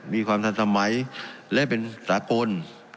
มีความทันสมัยและเป็นสากล